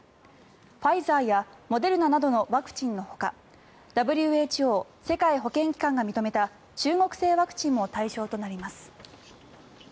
ファイザーやモデルナなどのワクチンのほかＷＨＯ・世界保健機関が認めた中国製ワクチンも対象となります。